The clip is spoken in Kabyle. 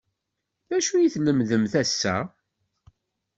D acu i lemdent ass-a?